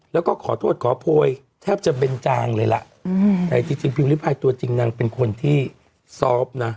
แล้วก็ขอโทษขอโพยแทบจะเป็นจางเลยล่ะแต่จริงพิมพ์ริพายตัวจริงนางเป็นคนที่ซอฟต์นะ